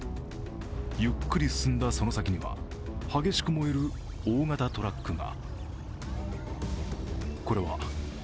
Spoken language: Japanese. ゆっくり進んだその先には、激しく燃える大型トラックが。